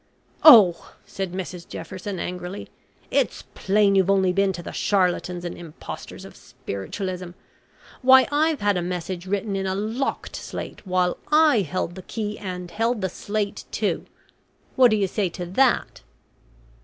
"On," said Mrs Jefferson angrily, "it's plain you've only been to the charlatans and impostors of spiritualism. Why, I've had a message written in a locked slate while I held the key and held the slate too. What do you say to that?"